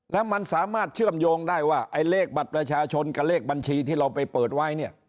แล้วมันสามารถเชื่อมโยงได้ว่าไอ้เลขบัตรประชาชนกับเลขบัญชีที่เราไปเปิดไว้เนี่ย